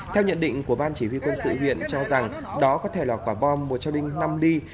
theo nhận định của ban chỉ huy quân sự huyện cho rằng đó có thể là quả bom một châu đinh năm ly